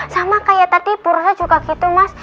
sama kayak tadi ibu rosa juga gitu mas